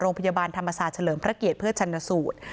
โรงพยาบาลธรรมศาสตร์เฉลิมพระเกียรติเพื่อชันสูตร